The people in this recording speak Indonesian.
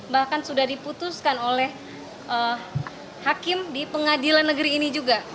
bahkan sudah diputuskan oleh hakim di pengadilan negeri ini juga